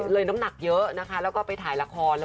เลยน้ำหนักเยอะนะคะ